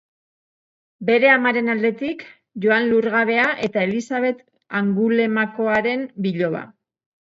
Bere amaren aldetik Joan Lurgabea eta Elisabet Angulemakoaren biloba.